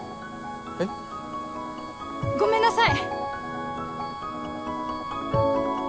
えっ？ごめんなさい！